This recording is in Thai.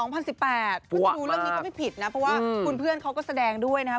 เพื่อจะดูเรื่องนี้ก็ไม่ผิดนะเพราะว่าคุณเพื่อนเขาก็แสดงด้วยนะครับ